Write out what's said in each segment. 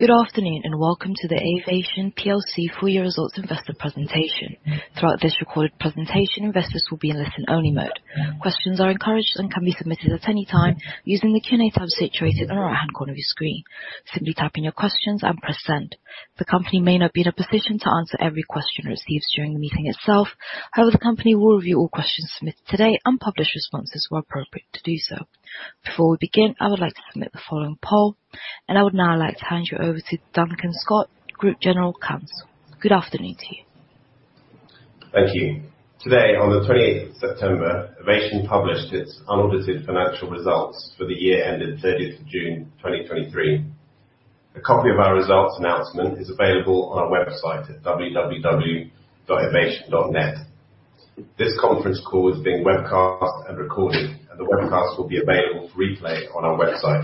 Good afternoon, and welcome to the Avation PLC Full Year Results investor presentation. Throughout this recorded presentation, investors will be in listen-only mode. Questions are encouraged and can be submitted at any time using the Q&A tab situated on the right-hand corner of your screen. Simply type in your questions and press send. The company may not be in a position to answer every question received during the meeting itself. However, the company will review all questions submitted today and publish responses where appropriate to do so. Before we begin, I would like to submit the following poll, and I would now like to hand you over to Duncan Scott, Group General Counsel. Good afternoon to you. Thank you. Today, on the 28th of September, Avation published its unaudited financial results for the year ending 30th of June, 2023. A copy of our results announcement is available on our website at www.avation.net. This conference call is being webcast and recorded, and the webcast will be available for replay on our website.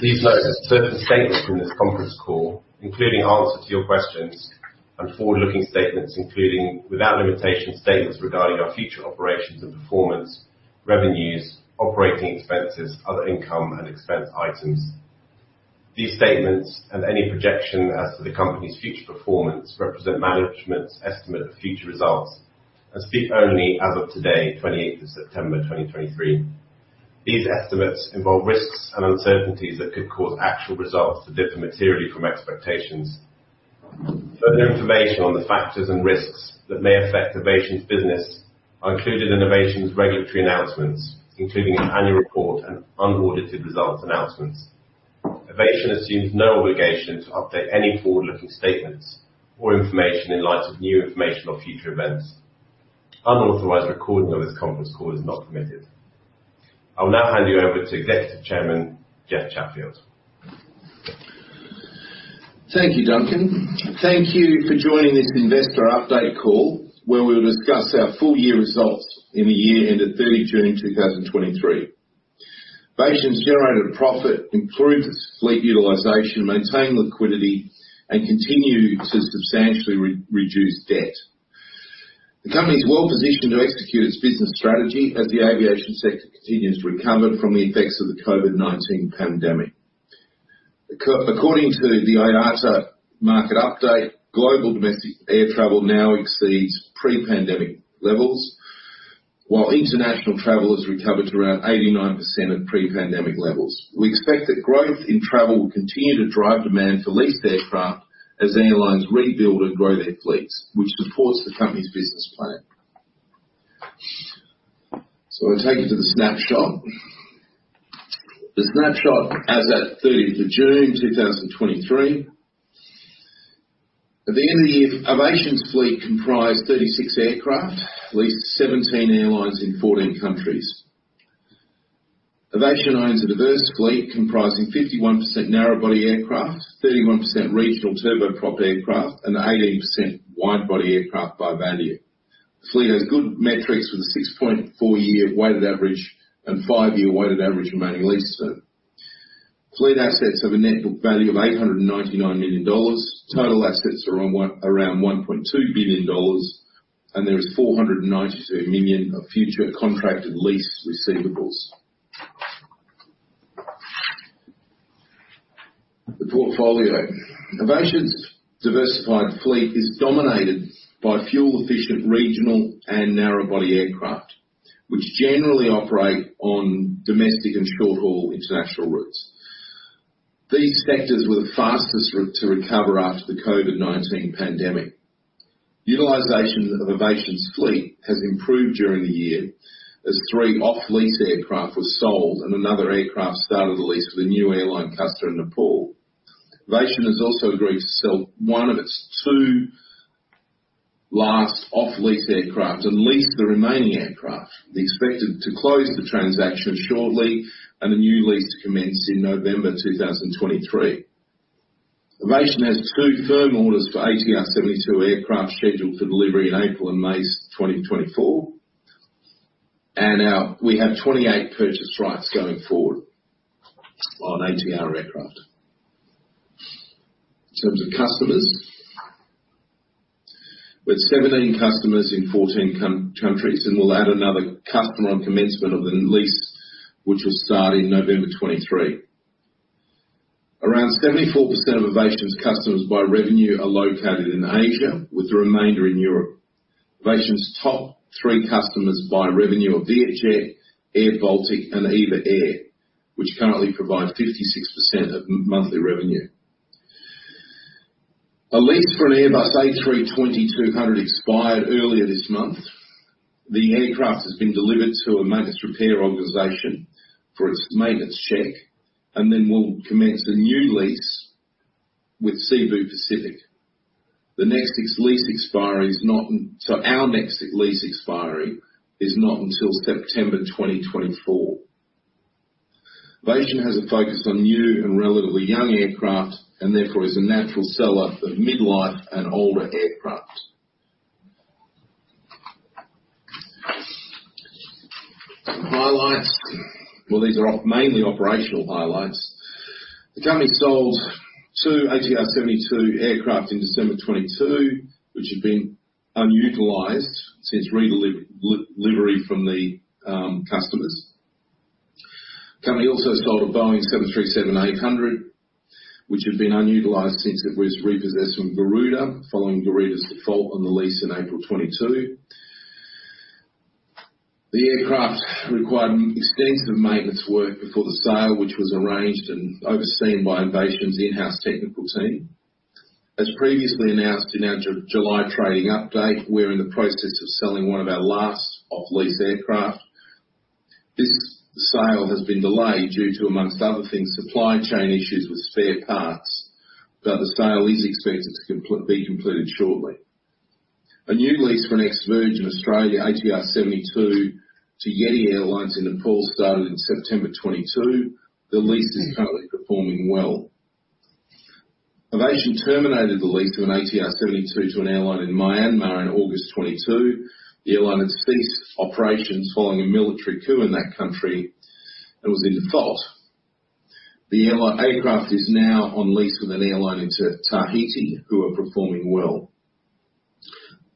Please note that certain statements in this conference call, including answers to your questions and forward-looking statements, including, without limitation, statements regarding our future operations and performance, revenues, operating expenses, other income and expense items. These statements and any projection as to the company's future performance represent management's estimate of future results and speak only as of today, 28th of September, 2023. These estimates involve risks and uncertainties that could cause actual results to differ materially from expectations. Further information on the factors and risks that may affect Avation's business are included in Avation's regulatory announcements, including its annual report and unaudited results announcements. Avation assumes no obligation to update any forward-looking statements or information in light of new information or future events. Unauthorized recording of this conference call is not permitted. I will now hand you over to Executive Chairman, Jeff Chatfield. Thank you, Duncan. Thank you for joining this investor update call, where we'll discuss our full-year results in the year ended 30 June 2023. Avation's generated profit, improved its fleet utilization, maintained liquidity, and continued to substantially reduce debt. The company is well-positioned to execute its business strategy as the aviation sector continues to recover from the effects of the COVID-19 pandemic. According to the IATA market update, global domestic air travel now exceeds pre-pandemic levels, while international travel has recovered to around 89% of pre-pandemic levels. We expect that growth in travel will continue to drive demand for leased aircraft as airlines rebuild and grow their fleets, which supports the company's business plan. So I'll take you to the snapshot. The snapshot as at 30th of June 2023. At the end of the year, Avation's fleet comprised 36 aircraft, leased to 17 airlines in 14 countries. Avation owns a diverse fleet, comprising 51% narrow-body aircraft, 31% regional turboprop aircraft, and 18% wide-body aircraft by value. The fleet has good metrics, with a 6.4-year weighted average and 5-year weighted average remaining lease term. Fleet assets have a net book value of $899 million. Total assets are around $1.2 billion, and there is $492 million of future contracted lease receivables. The portfolio. Avation's diversified fleet is dominated by fuel-efficient, regional, and narrow-body aircraft, which generally operate on domestic and short-haul international routes. These sectors were the fastest to recover after the COVID-19 pandemic. Utilization of Avation's fleet has improved during the year, as three off-lease aircraft were sold and another aircraft started the lease with a new airline customer in Nepal. Avation has also agreed to sell one of its two last off-lease aircraft and lease the remaining aircraft. They expected to close the transaction shortly and the new lease to commence in November 2023. Avation has two firm orders for ATR 72 aircraft, scheduled for delivery in April and May 2024. And, we have 28 purchase rights going forward on ATR aircraft. In terms of customers, we have 17 customers in 14 countries, and we'll add another customer on commencement of the new lease, which will start in November 2023. Around 74% of Avation's customers by revenue are located in Asia, with the remainder in Europe. Avation's top three customers by revenue are VietJet, airBaltic, and EVA Air, which currently provide 56% of monthly revenue. A lease for an Airbus A320-200 expired earlier this month. The aircraft has been delivered to a maintenance repair organization for its maintenance check, and then we'll commence a new lease with Cebu Pacific. So our next lease expiry is not until September 2024. Avation has a focus on new and relatively young aircraft, and therefore is a natural seller of mid-life and older aircraft. Highlights. Well, these are mainly operational highlights. The company sold two ATR 72 aircraft in December 2022, which have been unutilized since redelivery from the customers. Company also sold a Boeing 737-800, which had been unutilized since it was repossessed from Garuda, following Garuda's default on the lease in April 2022. The aircraft required extensive maintenance work before the sale, which was arranged and overseen by Avation's in-house technical team. As previously announced in our July trading update, we're in the process of selling one of our last off-lease aircraft. This sale has been delayed due to, amongst other things, supply chain issues with spare parts, but the sale is expected to be completed shortly. A new lease for an ex-Virgin Australia ATR 72 to Yeti Airlines in Nepal, started in September 2022. The lease is currently performing well. Avation terminated the lease to an ATR 72 to an airline in Myanmar in August 2022. The airline had ceased operations following a military coup in that country and was in default. The airline aircraft is now on lease with an airline in Tahiti, who are performing well.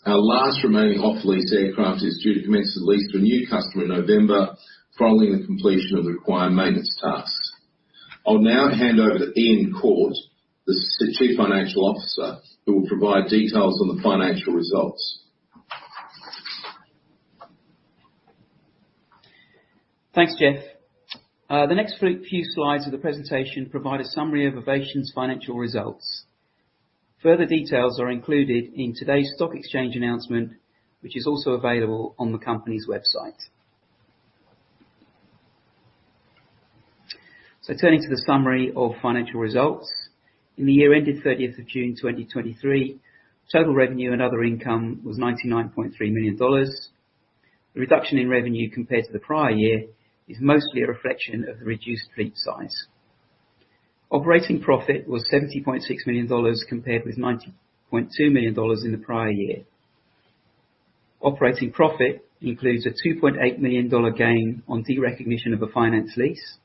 Our last remaining off-lease aircraft is due to commence a lease to a new customer in November, following the completion of the required maintenance tasks. I'll now hand over to Iain Cawte, the Chief Financial Officer, who will provide details on the financial results. Thanks, Jeff. The next few slides of the presentation provide a summary of Avation's financial results. Further details are included in today's stock exchange announcement, which is also available on the company's website. Turning to the summary of financial results. In the year ended 30th of June 2023, total revenue and other income was $99.3 million. The reduction in revenue compared to the prior year is mostly a reflection of the reduced fleet size. Operating profit was $70.6 million, compared with $90.2 million in the prior year. Operating profit includes a $2.8 million gain on derecognition of a finance lease,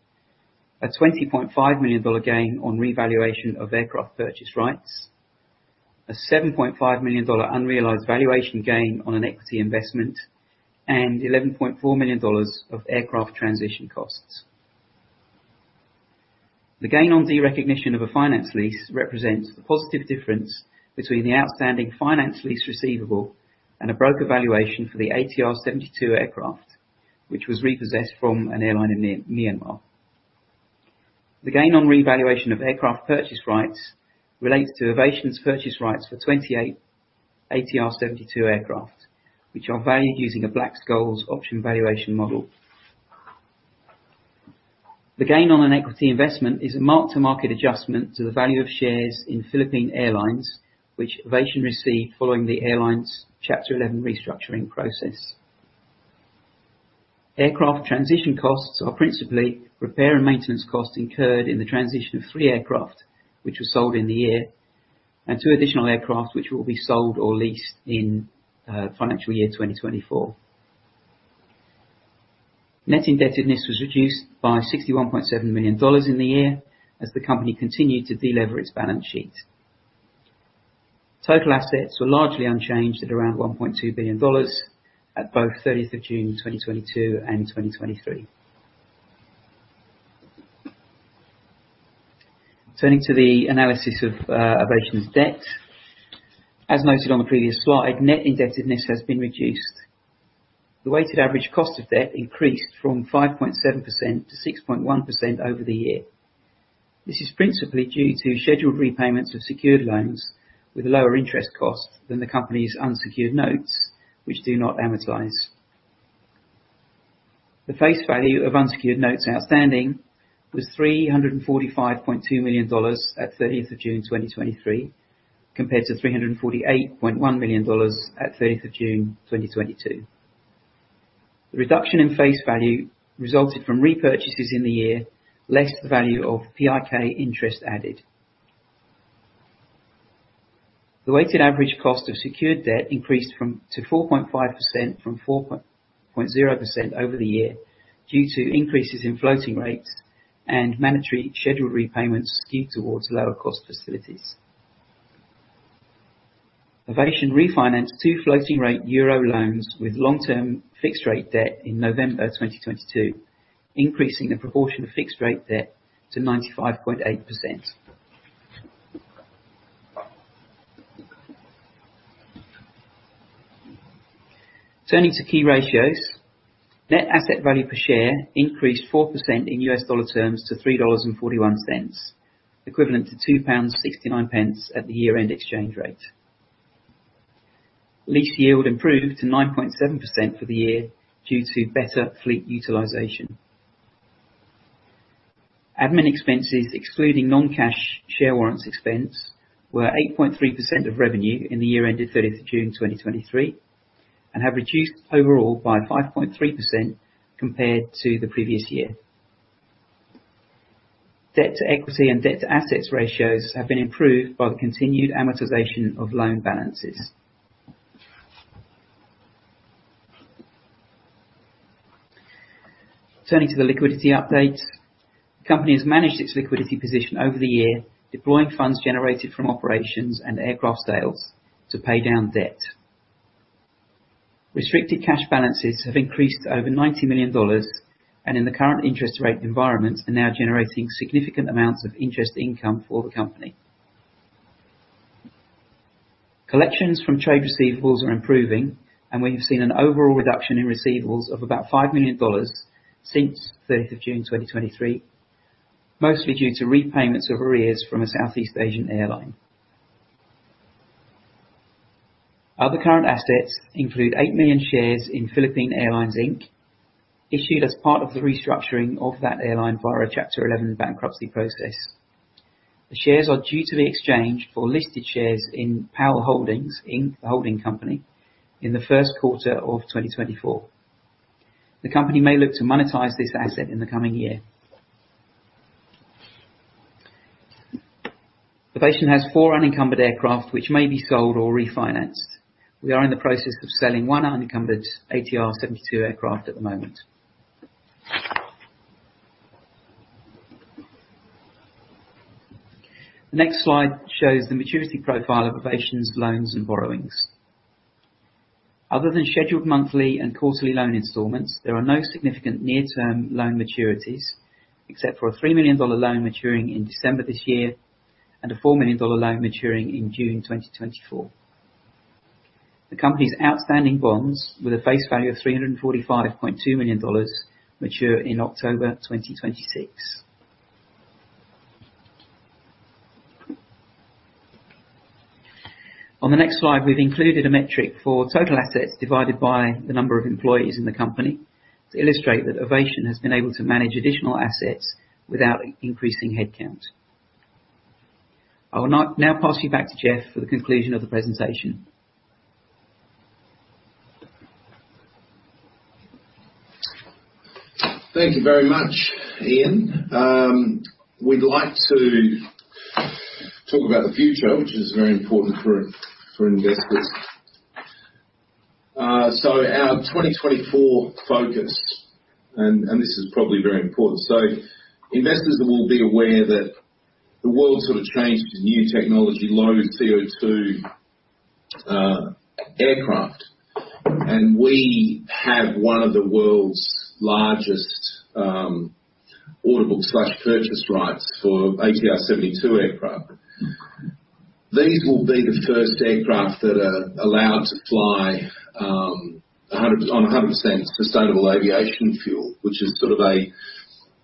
a $20.5 million gain on revaluation of aircraft purchase rights, a $7.5 million unrealized valuation gain on an equity investment, and $11.4 million of aircraft transition costs. The gain on derecognition of a finance lease represents the positive difference between the outstanding finance lease receivable and a broker valuation for the ATR 72 aircraft, which was repossessed from an airline in Myanmar. The gain on revaluation of aircraft purchase rights relates to Avation's purchase rights for 28, ATR 72 aircraft, which are valued using a Black-Scholes option valuation model. The gain on an equity investment is a mark-to-market adjustment to the value of shares in Philippine Airlines, which Avation received following the airline's Chapter 11 restructuring process. Aircraft transition costs are principally repair and maintenance costs incurred in the transition of three aircraft, which were sold in the year, and two additional aircraft, which will be sold or leased in financial year 2024. Net indebtedness was reduced by $61.7 million in the year, as the company continued to delever its balance sheet. Total assets were largely unchanged at around $1.2 billion at both 30th of June, 2022 and 2023. Turning to the analysis of Avation's debt. As noted on the previous slide, net indebtedness has been reduced. The weighted average cost of debt increased from 5.7% to 6.1% over the year. This is principally due to scheduled repayments of secured loans with lower interest costs than the company's unsecured notes, which do not amortize. The face value of unsecured notes outstanding was $345.2 million at 30th of June, 2023, compared to $348.1 million at 30th of June, 2022. The reduction in face value resulted from repurchases in the year, less the value of PIK interest added. The weighted average cost of secured debt increased to 4.5% from 4.0% over the year, due to increases in floating rates and mandatory scheduled repayments skewed towards lower cost facilities. Avation refinanced two floating rate euro loans with long-term fixed rate debt in November 2022, increasing the proportion of fixed rate debt to 95.8%. Turning to key ratios. Net asset value per share increased 4% in US dollar terms to $3.41, equivalent to £2.69 at the year-end exchange rate. Lease yield improved to 9.7% for the year due to better fleet utilization. Admin expenses, excluding non-cash share warrants expense, were 8.3% of revenue in the year ended 30th of June 2023, and have reduced overall by 5.3% compared to the previous year. Debt-to-equity and debt-to-assets ratios have been improved by the continued amortization of loan balances. Turning to the liquidity update, the company has managed its liquidity position over the year, deploying funds generated from operations and aircraft sales to pay down debt. Restricted cash balances have increased over $90 million, and in the current interest rate environment, are now generating significant amounts of interest income for the company. Collections from trade receivables are improving, and we've seen an overall reduction in receivables of about $5 million since 3rd June, 2023, mostly due to repayments of arrears from a Southeast Asian airline. Other current assets include 8 million shares in Philippine Airlines, Inc., issued as part of the restructuring of that airline via a Chapter 11 bankruptcy process. The shares are due to be exchanged for listed shares in PAL Holdings, Inc., the holding company, in the first quarter of 2024. The company may look to monetize this asset in the coming year. Avation has four unencumbered aircraft, which may be sold or refinanced. We are in the process of selling one unencumbered ATR 72 aircraft at the moment. The next slide shows the maturity profile of Avation's loans and borrowings. Other than scheduled monthly and quarterly loan installments, there are no significant near-term loan maturities, except for a $3 million loan maturing in December this year, and a $4 million loan maturing in June 2024. The company's outstanding bonds, with a face value of $345.2 million, mature in October 2026. On the next slide, we've included a metric for total assets divided by the number of employees in the company, to illustrate that Avation has been able to manage additional assets without increasing headcount. I will now pass you back to Jeff for the conclusion of the presentation. Thank you very much, Iain. We'd like to talk about the future, which is very important for investors. So our 2024 focus, and this is probably very important. So investors will be aware that the world sort of changed with new technology, low CO2 aircraft, and we have one of the world's largest order book/purchase rights for ATR 72 aircraft. These will be the first aircraft that are allowed to fly on 100% sustainable aviation fuel, which is sort of a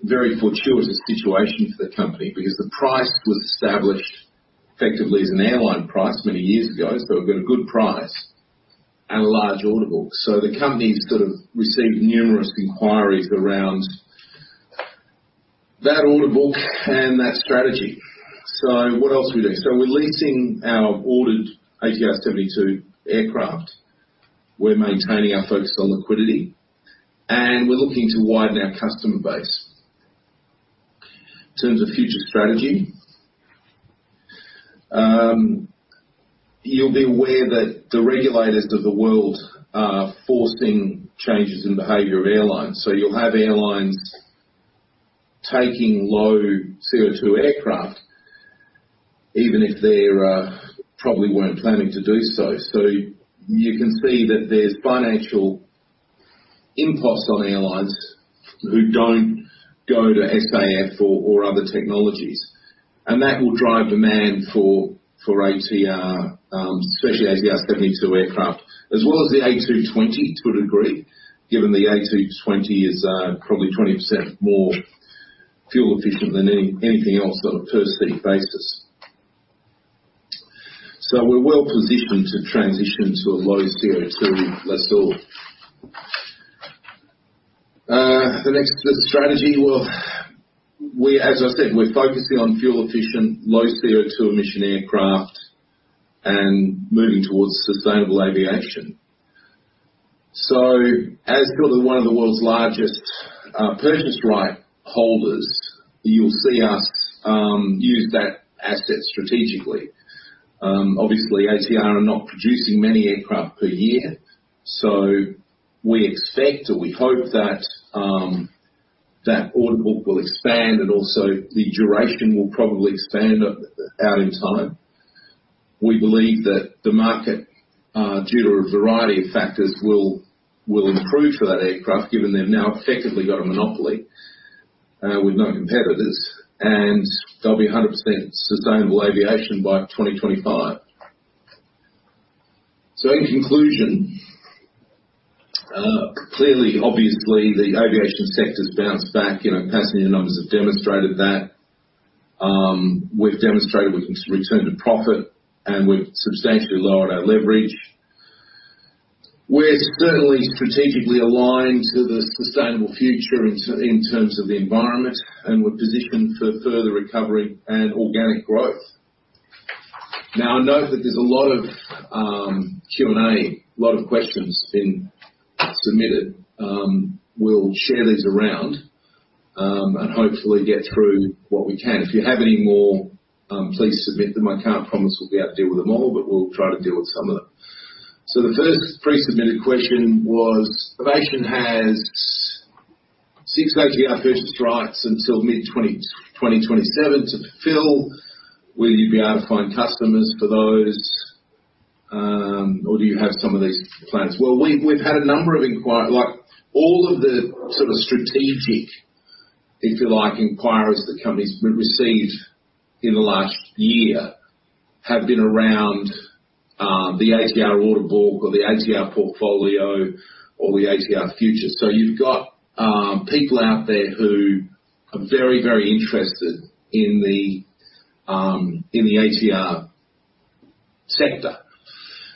very fortuitous situation for the company, because the price was established effectively as an airline price many years ago. So we've got a good price and a large order book. So the company's sort of received numerous inquiries around that order book and that strategy. So what else are we doing? So we're leasing our ordered ATR 72 aircraft. We're maintaining our focus on liquidity, and we're looking to widen our customer base. In terms of future strategy, you'll be aware that the regulators of the world are forcing changes in behavior of airlines. So you'll have airlines taking low CO2 aircraft, even if they're probably weren't planning to do so. So you can see that there's financial impulse on airlines who don't go to SAF or other technologies, and that will drive demand for ATR, especially ATR 72 aircraft, as well as the A220, to a degree, given the A220 is probably 20% more fuel efficient than anything else on a per-seat basis. So we're well-positioned to transition to a low CO2 vessel. The next strategy, well, as I said, we're focusing on fuel-efficient, low CO2 emission aircraft and moving towards sustainable aviation. So as sort of one of the world's largest purchase right holders, you'll see us use that asset strategically. Obviously, ATR are not producing many aircraft per year, so we expect or we hope that order book will expand, and also the duration will probably expand out in time. We believe that the market due to a variety of factors will improve for that aircraft, given they've now effectively got a monopoly with no competitors, and they'll be 100% sustainable aviation by 2025. So in conclusion, clearly, obviously, the aviation sector's bounced back. You know, passenger numbers have demonstrated that. We've demonstrated we can return to profit, and we've substantially lowered our leverage. We're certainly strategically aligned to the sustainable future in terms of the environment, and we're positioned for further recovery and organic growth. Now, I know that there's a lot of Q&A, a lot of questions been submitted. We'll share these around, and hopefully get through what we can. If you have any more, please submit them. I can't promise we'll be able to deal with them all, but we'll try to deal with some of them. So the first pre-submitted question was: Avation has six ATR purchase rights until mid-2027 to fulfill. Will you be able to find customers for those, or do you have some of these plans? Well, we've had a number of inquiries. Like, all of the sort of strategic, if you like, inquiries that companies we received in the last year have been around, the ATR order book or the ATR portfolio or the ATR future. So you've got, people out there who are very, very interested in the, in the ATR sector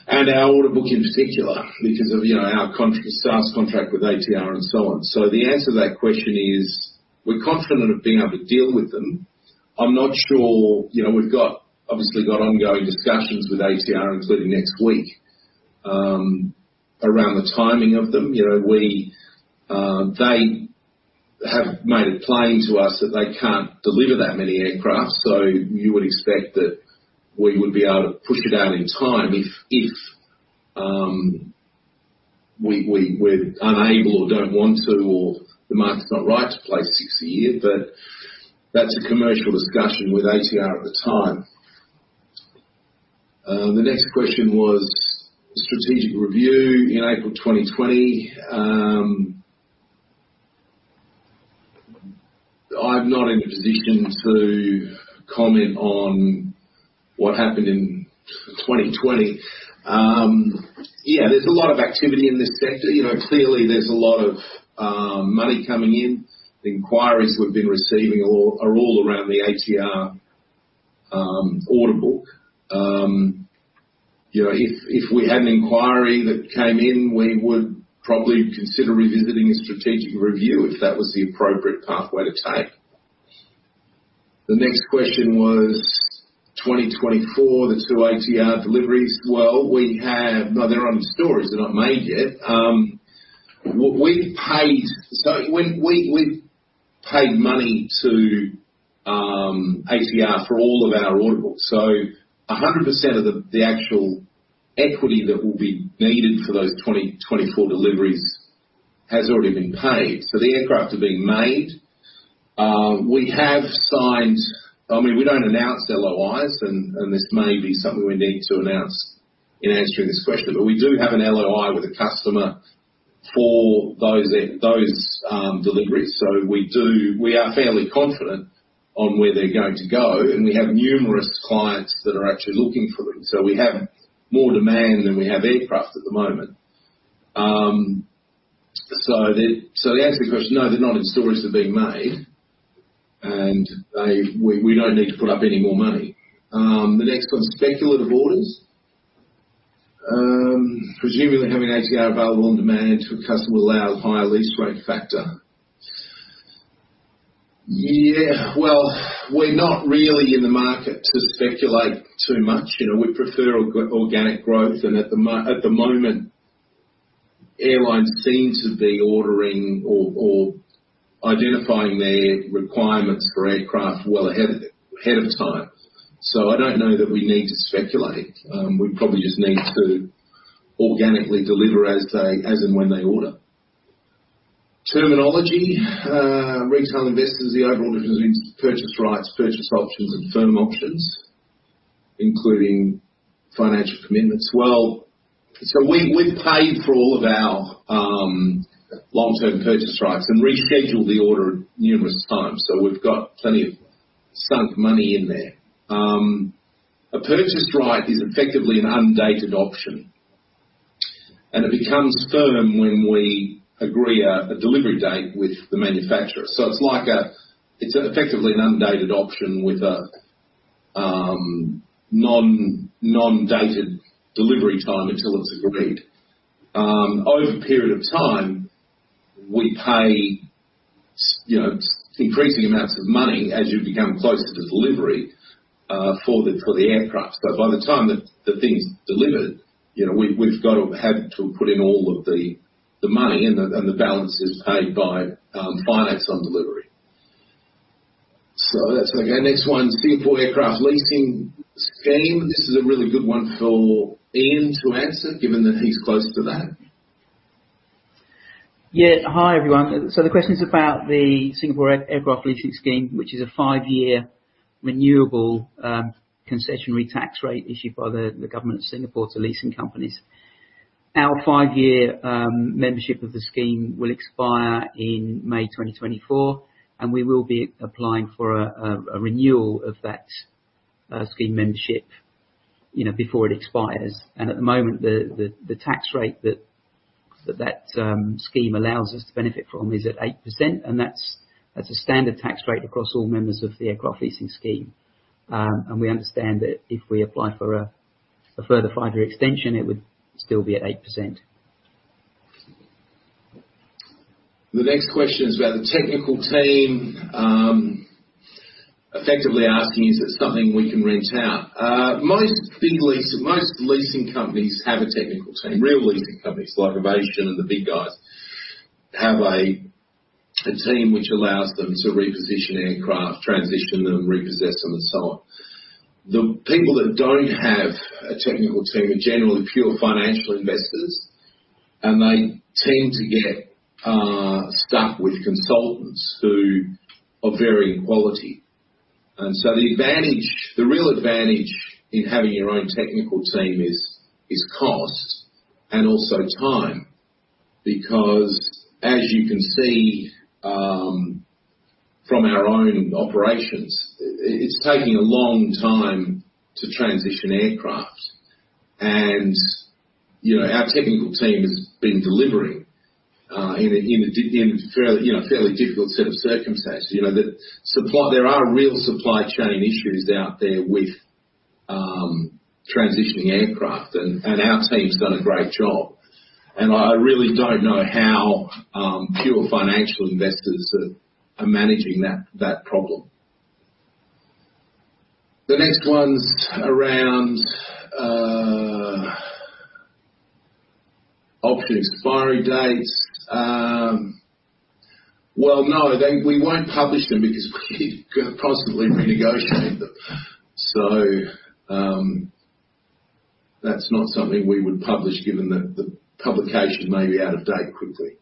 and our order book in particular, because of, you know, our contract, sales contract with ATR and so on. So the answer to that question is, we're confident of being able to deal with them. I'm not sure... You know, we've got, obviously got ongoing discussions with ATR, including next week, around the timing of them. You know, they have made it plain to us that they can't deliver that many aircraft, so you would expect that we would be able to push it out in time if we're unable or don't want to, or the market's not right to place six a year. But that's a commercial discussion with ATR at the time. The next question was strategic review in April 2020. I'm not in a position to comment on what happened in 2020. Yeah, there's a lot of activity in this sector. You know, clearly there's a lot of money coming in. The inquiries we've been receiving are all around the ATR order book. You know, if we had an inquiry that came in, we would probably consider revisiting a strategic review, if that was the appropriate pathway to take. The next question was 2024, the two ATR deliveries. Well, we have... No, they're on the stores, they're not made yet. We've paid-- So we, we've paid money to ATR for all of our order books. So 100% of the actual equity that will be needed for those 2024 deliveries has already been paid. So the aircraft are being made. We have signed-- I mean, we don't announce LOIs, and this may be something we need to announce in answering this question, but we do have an LOI with a customer for those deliveries. So we are fairly confident on where they're going to go, and we have numerous clients that are actually looking for them. So we have more demand than we have aircraft at the moment. So the answer to the question, no, they're not in stores, they are being made, and we don't need to put up any more money. The next one's speculative orders. Presumably, having ATR available on demand for customer allows higher lease rate factor. Yeah, well, we're not really in the market to speculate too much. You know, we prefer organic growth, and at the moment, airlines seem to be ordering or identifying their requirements for aircraft well ahead of time. So I don't know that we need to speculate. We probably just need to organically deliver as and when they order. Terminology, retail investors, the overall difference between purchase rights, purchase options, and firm options, including financial commitments. Well, so we've paid for all of our long-term purchase rights and rescheduled the order numerous times, so we've got plenty of sunk money in there. A purchase right is effectively an undated option, and it becomes firm when we agree a delivery date with the manufacturer. So it's like a. It's effectively an undated option with a non-dated delivery time until it's agreed. Over a period of time, we pay, you know, increasing amounts of money as you become close to the delivery for the aircraft. But by the time that the thing is delivered, you know, we've, we've got to have to put in all of the, the money, and the, and the balance is paid by finance on delivery. So that's okay. Next one, Singapore Aircraft Leasing Scheme. This is a really good one for Iain to answer, given that he's closer to that. Yeah. Hi, everyone. So the question is about the Singapore Aircraft Leasing Scheme, which is a five-year renewable concessionary tax rate issued by the government of Singapore to leasing companies. Our five-year membership of the scheme will expire in May 2024, and we will be applying for a renewal of that scheme membership, you know, before it expires. And at the moment, the tax rate that scheme allows us to benefit from is at 8%, and that's a standard tax rate across all members of the aircraft leasing scheme. And we understand that if we apply for a further five-year extension, it would still be at 8%. The next question is about the technical team, effectively asking: Is it something we can rent out? Most leasing companies have a technical team, real leasing companies, like Avation and the big guys, have a team which allows them to reposition aircraft, transition them, repossess them, and so on. The people that don't have a technical team are generally pure financial investors, and they tend to get stuck with consultants who are varying quality. And so the advantage, the real advantage in having your own technical team is cost and also time, because as you can see, from our own operations, it's taking a long time to transition aircraft. And, you know, our technical team has been delivering in a fairly, you know, fairly difficult set of circumstances. You know, the supply—there are real supply chain issues out there with transitioning aircraft, and our team's done a great job. And I really don't know how pure financial investors are managing that problem. The next one's around options, expiry dates. Well, no, they—we won't publish them because we could possibly renegotiate them. So, that's not something we would publish, given that the publication may be out of date quickly.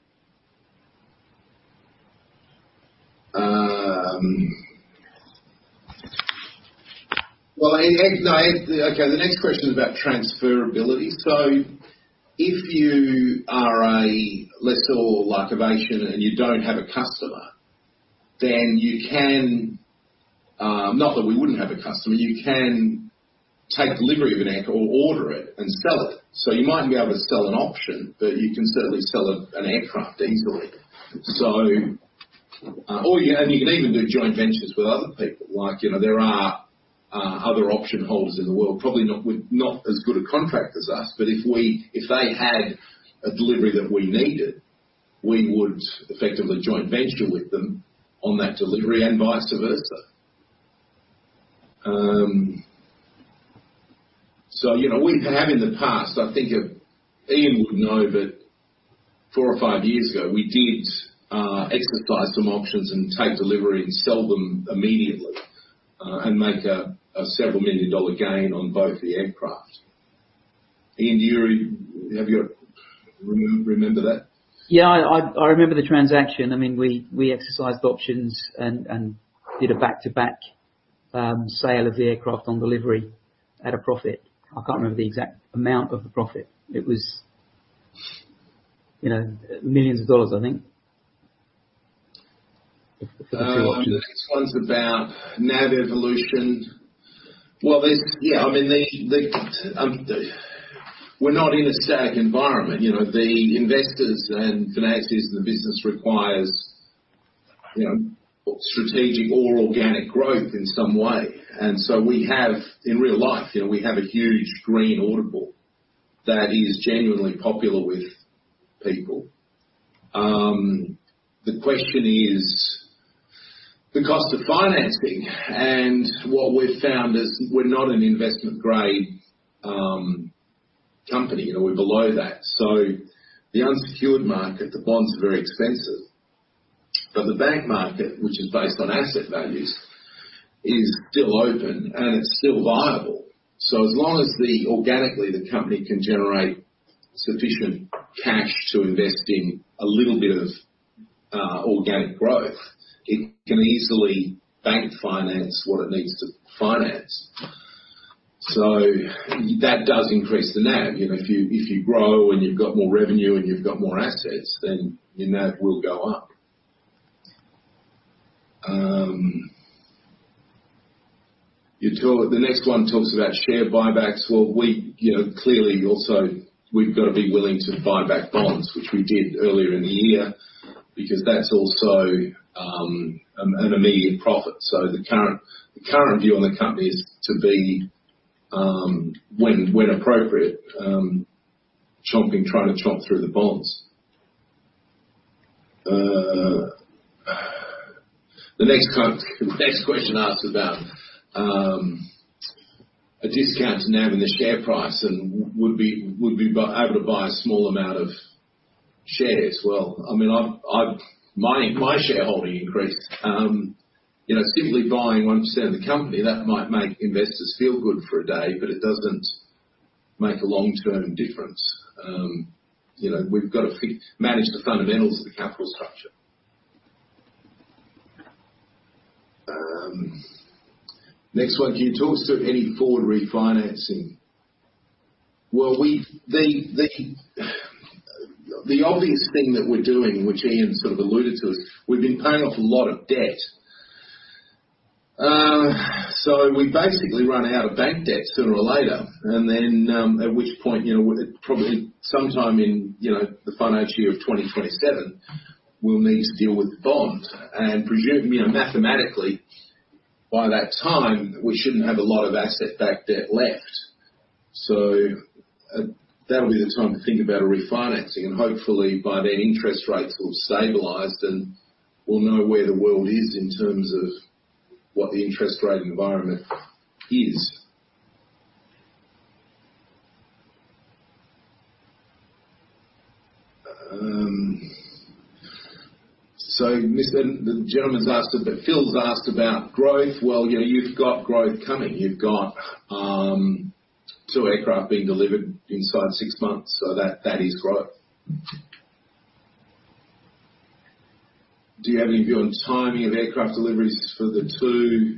Well, I, no, I—Okay, the next question is about transferability. So if you are a lessor like Avation and you don't have a customer, then you can. Not that we wouldn't have a customer, you can take delivery of an aircraft or order it and sell it. So you mightn't be able to sell an option, but you can certainly sell an aircraft easily. So, or you, and you can even do joint ventures with other people, like, you know, there are other option holders in the world, probably not with not as good a contract as us, but if we, if they had a delivery that we needed, we would effectively joint venture with them on that delivery and vice versa. So, you know, we have in the past, I think, Iain would know that four or five years ago, we did exercise some options and take delivery and sell them immediately, and make a several million dollars gain on both the aircraft. Iain, do you remember that? Yeah, I remember the transaction. I mean, we exercised options and did a back-to-back sale of the aircraft on delivery at a profit. I can't remember the exact amount of the profit. It was, you know, millions of dollars, I think. This one's about NAV evolution. Well, I mean, we're not in a static environment. You know, the investors and financiers of the business requires, you know, strategic or organic growth in some way. And so we have, in real life, you know, we have a huge green order book that is genuinely popular with people. The question is the cost of financing, and what we've found is we're not an investment-grade company, you know, we're below that. So the unsecured market, the bonds are very expensive, but the bank market, which is based on asset values, is still open, and it's still viable. So as long as organically, the company can generate sufficient cash to invest in a little bit of organic growth, it can easily bank finance what it needs to finance. So that does increase the NAV. You know, if you grow and you've got more revenue and you've got more assets, then your NAV will go up. The next one talks about share buybacks. Well, we, you know, clearly, also, we've got to be willing to buy back bonds, which we did earlier in the year, because that's also an immediate profit. So the current view on the company is to be, when appropriate, chomping, trying to chomp through the bonds. The next question asks about a discount to NAV in the share price and would be able to buy a small amount of shares. Well, I mean, my shareholding increased. You know, simply buying 1% of the company, that might make investors feel good for a day, but it doesn't make a long-term difference. You know, we've got to manage the fundamentals of the capital structure. Next one: "Can you talk through any forward refinancing?" Well, the obvious thing that we're doing, which Iain sort of alluded to, is we've been paying off a lot of debt. So we basically run out of bank debt sooner or later, and then, at which point, you know, probably sometime in, you know, the financial year of 2027, we'll need to deal with the bond. And presume, you know, mathematically, by that time, we shouldn't have a lot of asset-backed debt left, so, that'll be the time to think about a refinancing. And hopefully, by then, interest rates will have stabilized, and we'll know where the world is in terms of what the interest rate environment is. So the gentleman's asked, but Phil's asked about growth. Well, you know, you've got growth coming. You've got, two aircraft being delivered inside six months, so that, that is growth. Do you have any view on timing of aircraft deliveries for the two?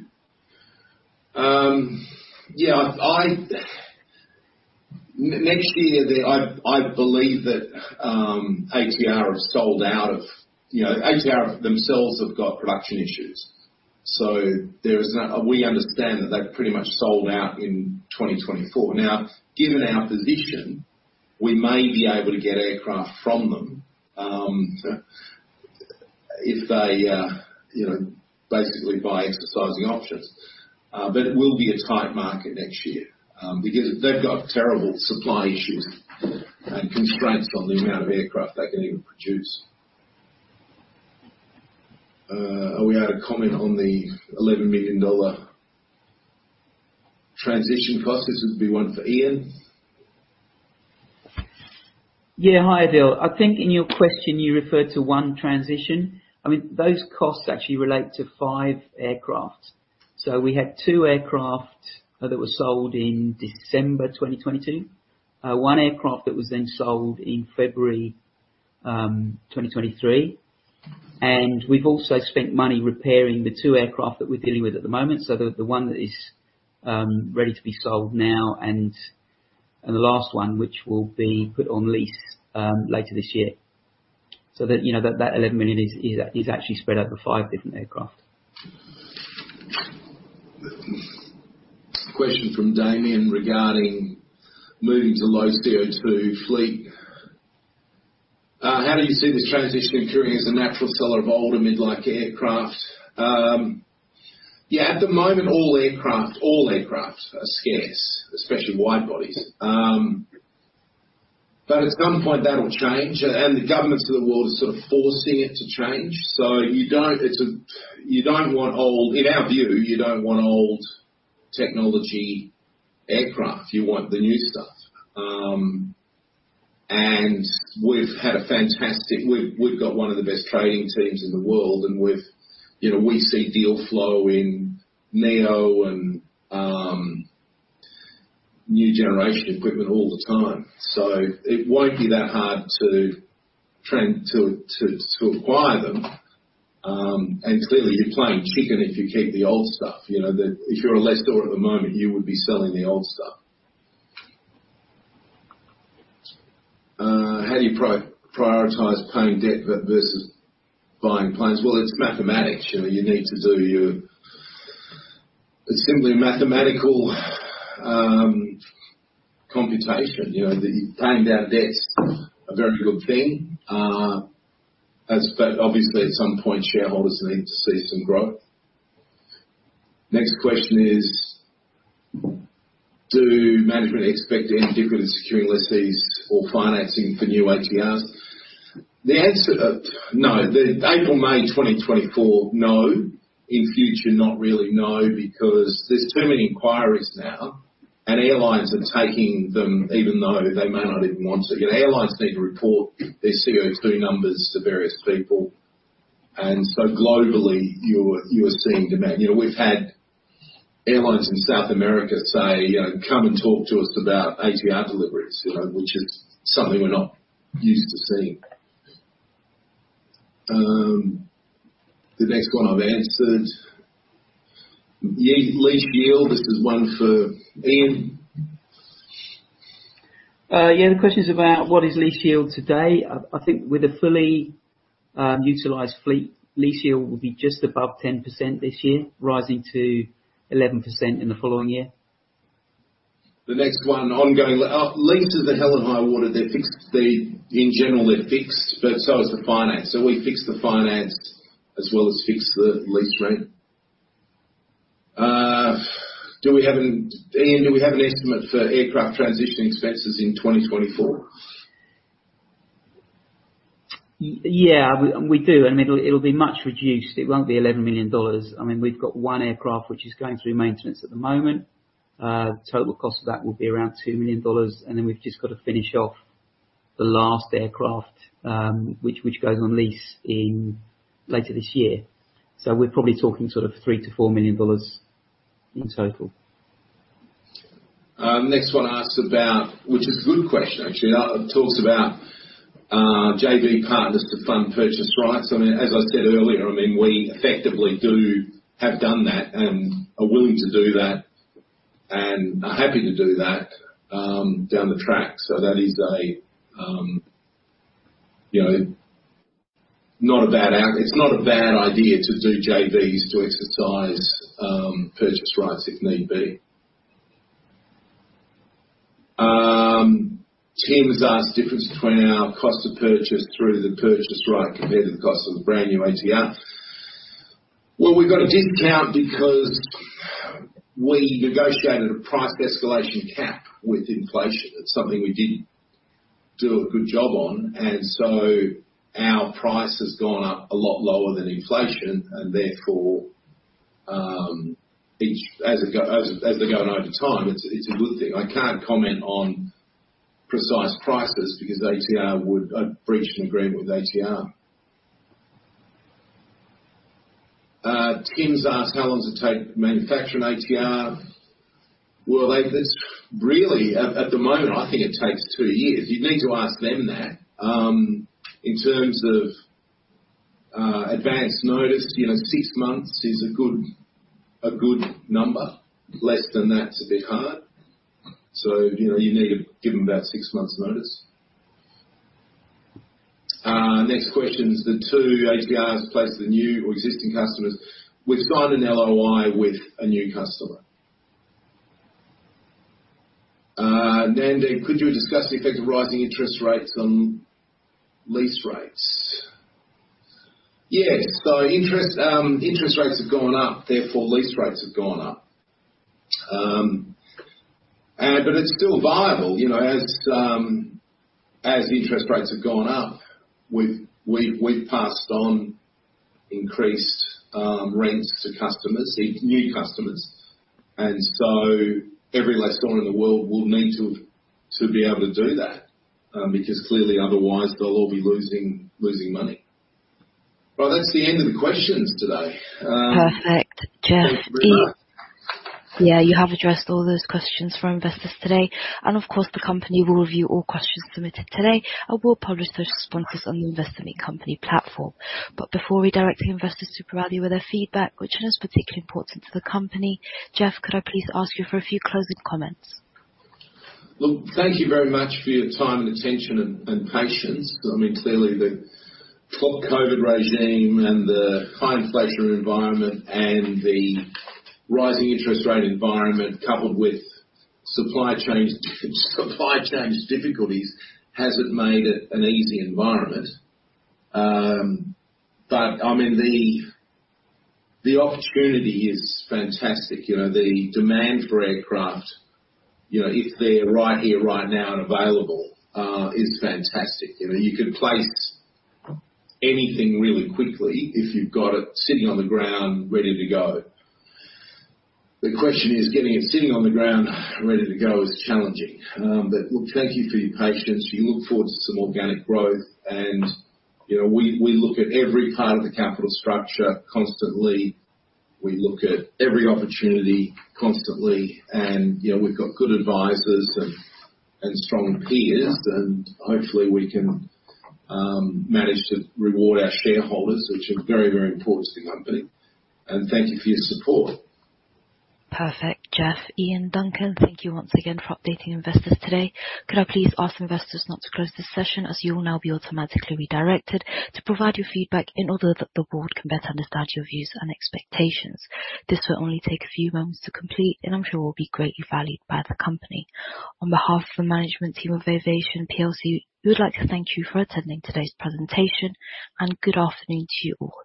Yeah, next year, I believe that, ATR have sold out of. You know, ATR themselves have got production issues, so there is no. We understand that they've pretty much sold out in 2024. Now, given our position, we may be able to get aircraft from them, if they, you know, basically by exercising options. It will be a tight market next year, because they've got terrible supply issues and constraints on the amount of aircraft they can even produce. Do we have a comment on the $11 million transition costs? This would be one for Iain. Yeah. Hi, Bill. I think in your question, you referred to one transition. I mean, those costs actually relate to five aircraft. So we had two aircraft that were sold in December 2022, one aircraft that was then sold in February 2023. And we've also spent money repairing the two aircraft that we're dealing with at the moment. So the one that is ready to be sold now and the last one, which will be put on lease later this year. So that, you know, that $11 million is actually spread over five different aircraft. A question from Damian regarding moving to low CO2 fleet. How do you see this transition occurring as a natural seller of older mid-life aircraft? Yeah, at the moment, all aircraft are scarce, especially wide bodies. But at some point, that'll change, and the governments of the world are sort of forcing it to change. So you don't want old technology aircraft. In our view, you don't want old technology aircraft. You want the new stuff. And we've got one of the best trading teams in the world, and we, you know, see deal flow in neo and new generation equipment all the time. So it won't be that hard to acquire them. And clearly, you're playing chicken if you keep the old stuff. You know, that if you're a lessor at the moment, you would be selling the old stuff. How do you prioritize paying debt versus buying planes? Well, it's mathematics. You know, you need to do your... It's simply mathematical, computation. You know, paying down debt's a very good thing, but obviously, at some point, shareholders need to see some growth. Next question is: Do management expect any difficulty in securing lessees or financing for new ATRs? The answer, no. The April, May 2024, no. In future, not really, no, because there's too many inquiries now, and airlines are taking them even though they may not even want to. You know, airlines need to report their CO2 numbers to various people, and so globally, you are, you are seeing demand. You know, we've had airlines in South America say, "Come and talk to us about ATR deliveries," you know, which is something we're not used to seeing. The next one I've answered. Lease yield. This is one for Iain. Yeah, the question is about what is lease yield today? I think with a fully utilized fleet, lease yield will be just above 10% this year, rising to 11% in the following year. The next one, ongoing. Leases are hell and high water. They're fixed. They, in general, they're fixed, but so is the finance. So we fix the finance as well as fix the lease rate. Iain, do we have an estimate for aircraft transitioning expenses in 2024? Yeah, we do, and it'll be much reduced. It won't be $11 million. I mean, we've got one aircraft, which is going through maintenance at the moment. Total cost of that will be around $2 million, and then we've just got to finish off the last aircraft, which goes on lease later this year. So we're probably talking sort of $3 million-$4 million in total. Next one asks about, which is a good question, actually. It talks about JV partners to fund purchase rights. I mean, as I said earlier, I mean, we effectively do have done that and are willing to do that and are happy to do that, down the track. So that is a you know, not a bad out. It's not a bad idea to do JVs to exercise purchase rights if need be. Tim has asked: Difference between our cost of purchase through the purchase right compared to the cost of a brand-new ATR. Well, we got a discount because we negotiated a price escalation cap with inflation. It's something we did-... Do a good job on, and so our price has gone up a lot lower than inflation, and therefore, each as they're going over time, it's a good thing. I can't comment on precise prices because ATR would—I'd breach an agreement with ATR. Tim's asked: How long does it take to manufacture an ATR? Well, like, it's really at the moment, I think it takes two years. You'd need to ask them that. In terms of advanced notice, you know, six months is a good number. Less than that's a bit hard. So, you know, you need to give them about six months notice. Next question is: The two ATRs placed with the new or existing customers. We've signed an LOI with a new customer. Nandi: Could you discuss the effect of rising interest rates on lease rates? Yes. So interest, interest rates have gone up therefore, lease rates have gone up. And but it's still viable. You know, as, as interest rates have gone up, we've passed on increased, rents to customers, the new customers. And so every lessor in the world will need to be able to do that, because clearly, otherwise they'll all be losing money. Well, that's the end of the questions today. Perfect, Jeff. Thank you very much. Yeah, you have addressed all those questions from investors today, and of course, the company will review all questions submitted today and will publish those responses on the Investor Meet Company platform. But before we direct the investors to provide you with their feedback, which is particularly important to the company, Jeff, could I please ask you for a few closing comments? Well, thank you very much for your time, and attention, and, and patience. I mean, clearly, the post-COVID regime and the high inflation environment and the rising interest rate environment, coupled with supply chain difficulties, hasn't made it an easy environment. But I mean, the opportunity is fantastic. You know, the demand for aircraft, you know, if they're right here, right now and available, is fantastic. You know, you can place anything really quickly if you've got it sitting on the ground ready to go. The question is, getting it sitting on the ground ready to go is challenging. But look, thank you for your patience. We look forward to some organic growth and, you know, we look at every part of the capital structure constantly. We look at every opportunity constantly, and, you know, we've got good advisors and strong peers, and hopefully we can manage to reward our shareholders, which are very, very important to the company. Thank you for your support. Perfect, Jeff. Iain, Duncan, thank you once again for updating investors today. Could I please ask investors not to close this session, as you will now be automatically redirected to provide your feedback in order that the board can better understand your views and expectations. This will only take a few moments to complete, and I'm sure will be greatly valued by the company. On behalf of the management team of Avation PLC, we would like to thank you for attending today's presentation, and good afternoon to you all.